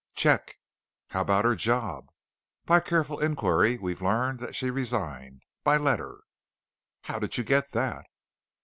"Check." "How about her job?" "By careful enquiry, we've learned that she resigned. By letter." "How did you get that?"